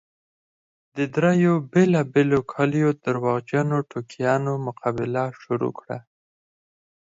د دريو بېلابېلو کليو درواغجنو ټوکیانو مقابله شروع کړه.